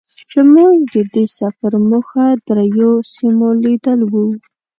زمونږ د دې سفر موخه درېيو سیمو لیدل وو.